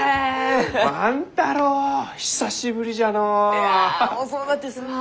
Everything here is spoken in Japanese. いや遅うなってすまん。